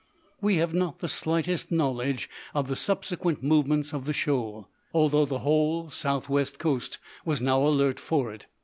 We have not the slightest knowledge of the subsequent movements of the shoal, although the whole south west coast was now alert for it.